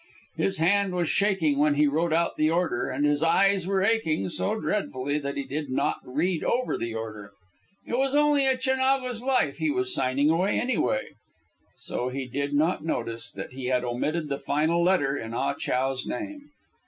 His hand was shaking when he wrote out the order, and his eyes were aching so dreadfully that he did not read over the order. It was only a Chinago's life he was signing away, anyway. So he did not notice that he had omitted the final letter in Ah Chow's name.